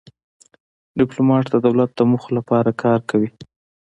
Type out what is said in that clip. ډيپلومات د دولت د موخو لپاره کار کوي.